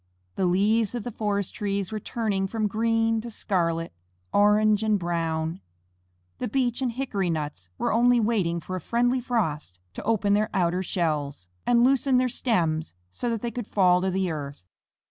The leaves of the forest trees were turning from green to scarlet, orange, and brown. The beech and hickory nuts were only waiting for a friendly frost to open their outer shells, and loosen their stems, so that they could fall to the earth.